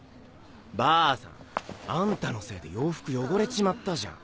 ばあさんあんたのせいで洋服汚れちまったじゃん。